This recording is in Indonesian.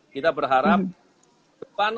kita berharap depan